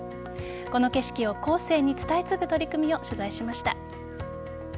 この景色を後世に伝え継ぐ取り組みを取材しました。